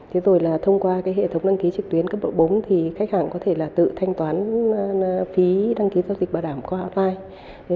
thế rồi là thông qua hệ thống đăng ký trực tuyến cấp độ bốn thì khách hàng có thể là tự thanh toán phí đăng ký giao dịch bảo đảm qua online